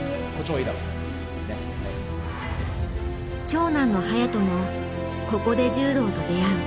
長男の颯人もここで柔道と出会う。